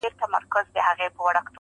خر و ځان ته اريان و، خاوند ئې بار ته.